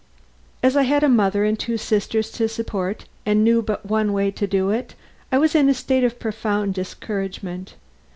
As I had a mother and two sisters to support and knew but one way to do it, I was in a state of profound discouragement.